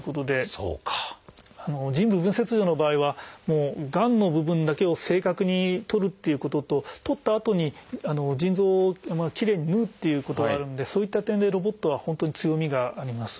腎部分切除の場合はがんの部分だけを正確にとるっていうことととったあとに腎臓をきれいに縫うっていうことがあるんでそういった点でロボットは本当に強みがあります。